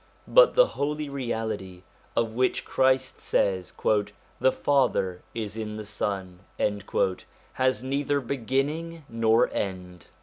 But the Holy Reality, of which Christ says ' The Father is in the Son/ has neither beginning nor end.